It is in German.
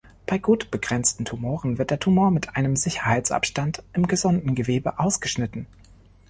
Bei gut begrenzten Tumoren wird der Tumor mit einem Sicherheitsabstand im gesunden Gewebe ausgeschnitten.